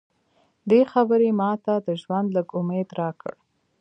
دې خبرې ماته د ژوند لږ امید راکړ